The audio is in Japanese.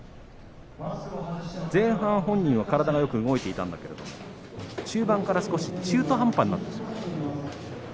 前半、本人は体がよく動いていたんだけれど中盤から少し中途半端になってしまった。